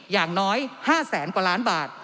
อย่างน้อย๕แสนกว่าล้านบาท